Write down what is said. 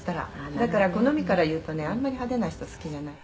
「だから好みから言うとねあんまり派手な人好きじゃない」